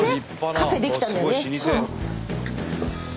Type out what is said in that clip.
カフェ出来たんだよね。